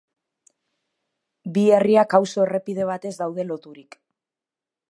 Bi herriak, auzo-errepide batez daude loturik.